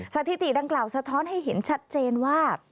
สถิติดังกล่าวสะท้อนให้เห็นชัดเจนว่า